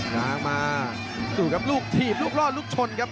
ง้างมาดูครับลูกถีบลูกรอดลูกชนครับ